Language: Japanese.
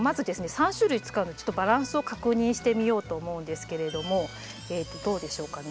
３種類使うのでちょっとバランスを確認してみようと思うんですけれどもどうでしょうかね。